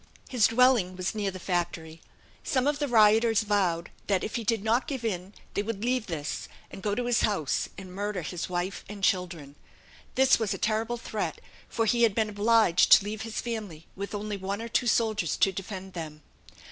His dwelling was near the factory. Some of the rioters vowed that, if he did not give in, they would leave this, and go to his house, and murder his wife and children. This was a terrible threat, for he had been obliged to leave his family with only one or two soldiers to defend them.